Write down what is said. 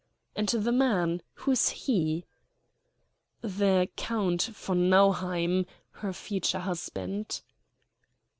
"And the man. Who is he?" "The Count von Nauheim, her future husband."